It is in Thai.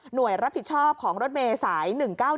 โดยรับผิดชอบของรถเมย์สาย๑๙๑